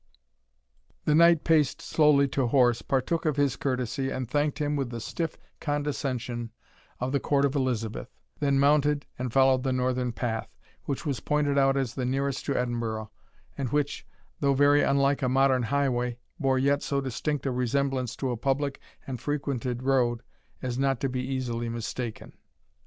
The knight paced slowly to horse, partook of his courtesy, and thanked him with the stiff condescension of the court of Elizabeth; then mounted and followed the northern path, which was pointed out as the nearest to Edinburgh, and which, though very unlike a modern highway, bore yet so distinct a resemblance to a public and frequented road as not to be easily mistaken.